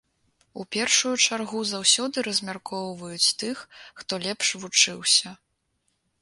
У першую чаргу заўсёды размяркоўваюць тых, хто лепш вучыўся.